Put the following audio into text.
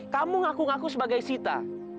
kamu ngaku ngaku sebagai sita